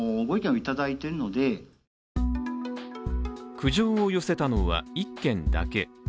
苦情を寄せたのは１軒だけ。